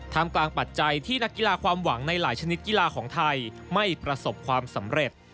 ทำกลางปัจจัยที่นักกีฬาความหวังในหลายชนิดกีฬาของไทยไม่ประสบความสำเร็จ